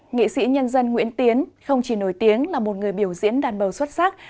nghệ sĩ nhân dân nguyễn tiến không chỉ nổi tiếng là một người biểu diễn đàn bầu xuất sắc